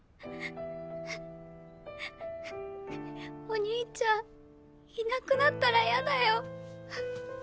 お兄ちゃんいなくなったらやだよ。